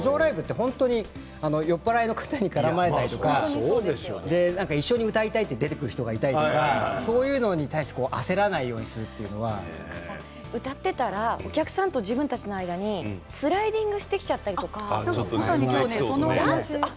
路上ライブで酔っ払いの方に絡まれたりとか一緒に歌いたいと出てくる人がいたりとかそういうのに対して歌っていたらお客さんが自分たちの間にスライディングしてきちゃったりとか。